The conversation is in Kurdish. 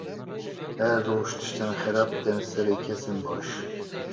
Her roj tiştên xerab tên serê kesên baş.